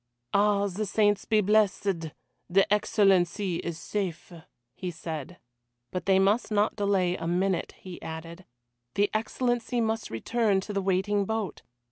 "Ah, the saints be blessed, the Excellency is safe," he said. But they must not delay a minute, he added. The Excellency must return to the waiting boat!